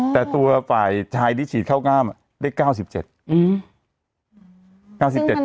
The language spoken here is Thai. แต่ตัวฝ่ายชายที่ฉีดเข้ากล้ามได้๙๗เปอร์เซ็นต์